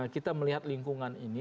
kita melihat lingkungan ini